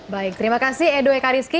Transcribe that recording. baik terima kasih edo ekariski